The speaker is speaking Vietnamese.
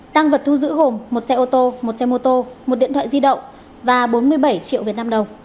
tăng vật thu giữ gồm một xe ô tô một xe mô tô một điện thoại di động và bốn mươi bảy triệu việt nam đồng